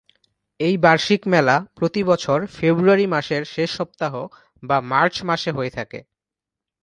এই বার্ষিক মেলা প্রতি বছর ফেব্রুয়ারি মাসের শেষ সপ্তাহ বা মার্চ মাসে হয়ে থাকে।